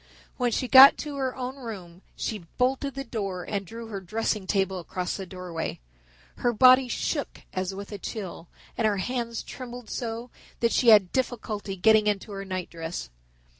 When she got to her own room she bolted the door and drew her dressing table across the doorway. Her body shook as with a chill and her hands trembled so that she had difficulty getting into her nightdress.